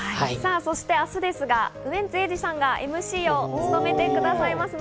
そして明日はウエンツ瑛士さんがＭＣを務めてくださいます。